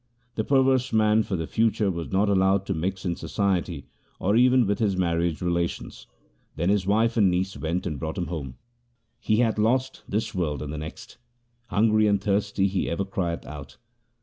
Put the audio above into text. The perverse man for the future was not allowed to mix in society or even with his marriage relations ; then his wife and his niece went and brought him home. 2 He hath lost this world and the next ; hungry and thirsty he ever crieth out.